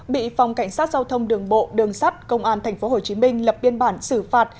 bị phòng cảnh sát giao thông đường bộ đường sắt công an tp hcm lập biên bản xử phạt